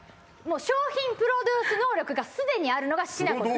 商品プロドゥース能力がすでにあるのがしなこです